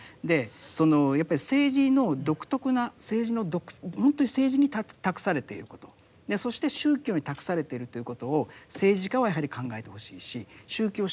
やっぱり政治の独特なほんとに政治に託されていることそして宗教に託されているということを政治家はやはり考えてほしいし宗教者は考えてほしいんですよね。